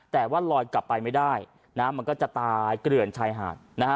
แต่ว่าลอยกลับไปไม่ได้น้ำมันก็จะตายเกลื่อนชายหาดนะฮะ